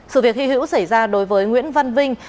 sự việc hy hữu xảy ra đối với nguyễn văn vinh